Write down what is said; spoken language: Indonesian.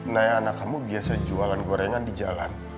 naya anak kamu biasa jualan gorengan di jalan